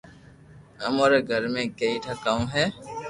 امو ري گھر ۾ ڪئي ٺا ڪاو ھي